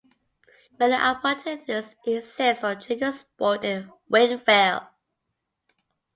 Many opportunities exist for junior sport in Wynn Vale.